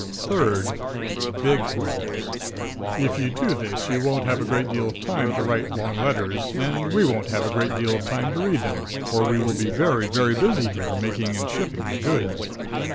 Third Big Orders. If you do this you won't have a great deal of time to write long letters, and we won't have a great deal of time to read them, for we will be very, very busy here making and shipping the goods.